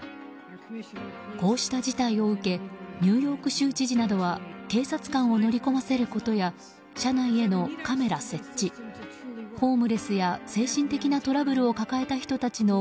こうした事態を受けニューヨーク州知事などは警察官を乗り込ませることや車内へのカメラ設置ホームレスや精神的なトラブルを抱えた人たちの